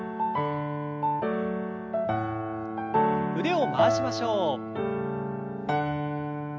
腕を回しましょう。